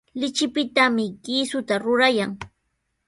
Lichipitami kiisuta rurayan.